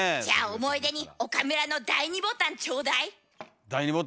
じゃあ思い出に岡村の第二ボタンちょうだい。